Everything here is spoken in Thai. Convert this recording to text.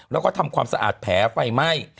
แล้วก็ทำความสะอาดแผลไฟไหม้